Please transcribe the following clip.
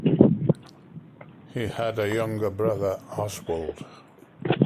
He had a younger brother, Oswald.